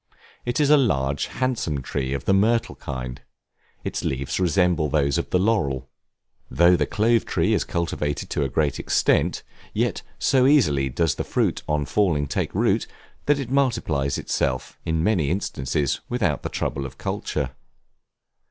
It is a large handsome tree of the myrtle kind; its leaves resemble those of the laurel. Though the Clove Tree is cultivated to a great extent, yet, so easily does the fruit on falling take root, that it thus multiplies itself, in many instances, without the trouble of culture.